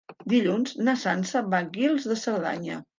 Dilluns na Sança va a Guils de Cerdanya.